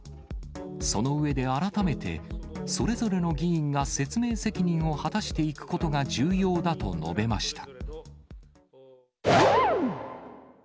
その上で、改めて、それぞれの議員が説明責任を果たしていくことが重要だと述べました。